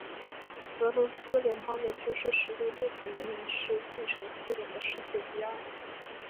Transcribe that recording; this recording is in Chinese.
俄罗斯联邦的军事实力目前仍然是继承苏联的世界第二。